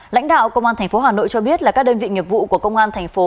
lãnh đạo công an tp hà nội cho biết là các đơn vị nghiệp vụ của công an tp